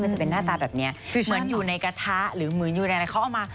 มันจะมีหน้าตาแบบนี้เหมือนอยู่ในกระทะ